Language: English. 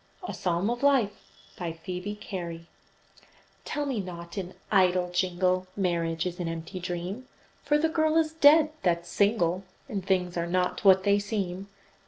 A PSALM OF LIFE BY PHOEBE CARY Tell me not, in idle jingle, Marriage is an empty dream, For the girl is dead that's single, And things are not what they seem.